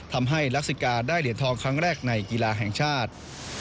ทำให้ลักษิกาได้เหรียญทองครั้งแรกในกีฬาแห่งชาติ